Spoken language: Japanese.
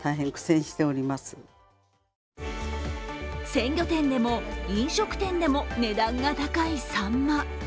鮮魚店でも飲食店でも値段が高いさんま。